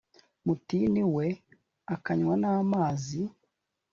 mutini we c akanywa n amazi